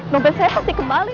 mobil saya pasti kembali